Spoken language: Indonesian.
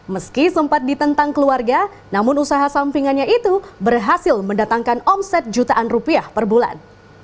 meski sempat ditentang keluarga namun usaha sampingannya itu berhasil mendatangkan omset jutaan rupiah per bulan